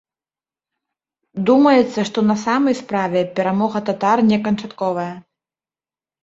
Думаецца, што на самай справе перамога татар не канчатковая.